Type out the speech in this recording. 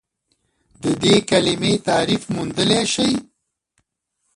د دې کلمې تعریف موندلی شئ؟